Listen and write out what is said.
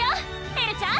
エルちゃん！